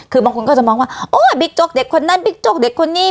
คือบางคนก็จะมองว่าโอ๊ยบิ๊กโจ๊กเด็กคนนั้นบิ๊กโจ๊กเด็กคนนี้